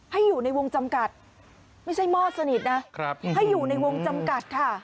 ให้อยู่ในวงจำกัดไม่ใช่มอดสนิทนะให้อยู่ในวงจำกัดค่ะ